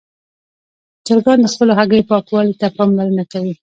چرګان د خپلو هګیو پاکوالي ته پاملرنه کوي.